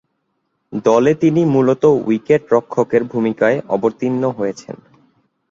দলে তিনি মূলতঃ উইকেট-রক্ষকের ভূমিকায় অবতীর্ণ হয়েছেন।